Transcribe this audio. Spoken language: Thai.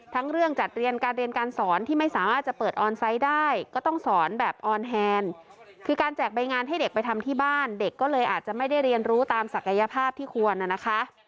ทั้งเรื่องจัดเรียนการเรียนการสอนที่ไม่สามารถจะเปิดออนไซต์ได้ก็ต้องสอนแบบออนแฮนคือการแจกใบงานให้เด็กไปทำที่บ้านเด็กก็เลยอาจจะไม่ได้เรียนรู้ตามศักยภาพที่ควรน่ะนะคะ